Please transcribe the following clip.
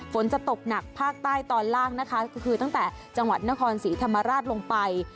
ฝนจะตกหนักภาคใต้ตอนล่างนะคะก็คือตั้งแต่จังหวัดนครศรีธรรมราชลงไป